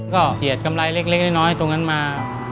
ก็เสียดกำไรเล็กน้อยตรงนั้นมา